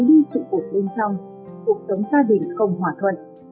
nhưng nếu quá thêm người công việc bên trong cuộc sống gia đình không hòa thuận